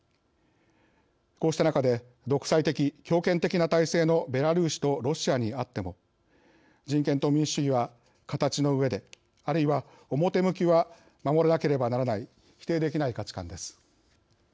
こうした中で独裁的、強権的な体制のベラルーシとロシアにあっても人権と民主主義は形のうえであるいは表向きは守らなければならない否定できない価値観です。